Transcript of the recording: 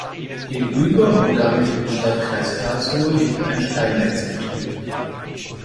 Gegenüber und damit im Stadtkreis Karlsruhe liegt ein Steinmetzbetrieb.